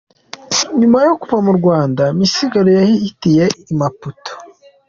Nyuma yo kuva mu Rwanda Misigaro yahitiye i Maputo.